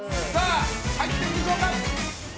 入っているでしょうか。